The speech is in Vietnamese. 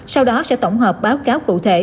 sau đó sẽ tổng hợp báo cáo cụ thể